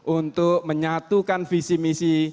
untuk menyatukan visi misi